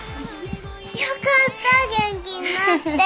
よかった元気になって。